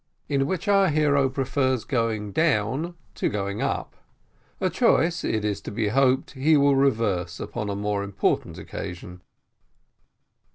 IN WHICH OUR HERO PREFERS GOING DOWN TO GOING UP; A CHOICE, IT IS TO BE HOPED, HE WILL REVERSE UPON A MORE IMPORTANT OCCASION.